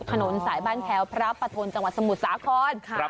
ถนนสายบ้านแผวพระปฐนจังหวัดสมุทรสาขอนด์